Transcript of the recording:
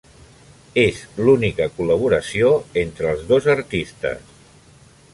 És l'única col·laboració entre els dos artistes.